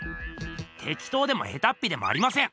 てきとうでもヘタッピでもありません。